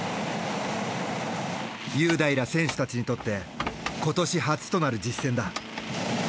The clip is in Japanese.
雄大ら選手たちにとって今年初となる実戦だ。